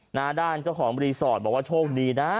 หน้าด้านเจ้าของรีสอร์ทบอกว่าโชคดีนะ